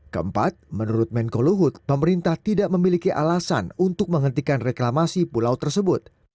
keempat menurut menko luhut pemerintah tidak memiliki alasan untuk menghentikan reklamasi pulau tersebut